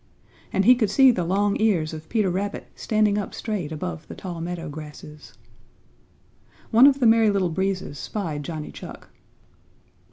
And he could see the long ears of Peter Rabbit standing up straight above the tall meadow grasses. One of the Merry Little Breezes spied Johnny Chuck.